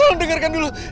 tolong dengarkan dulu